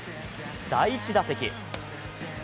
第１打席。